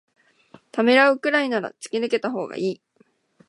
ためらうくらいなら突き抜けたほうがいい